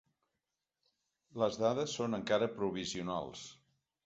Les dades són encara provisionals.